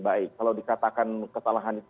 baik kalau dikatakan kesalahan